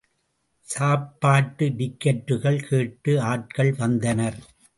சாப்பாட்டு டிக்கட்டுகள் கேட்டு, ஆட்கள் வந்தனர்.